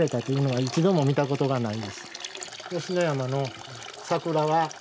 はい。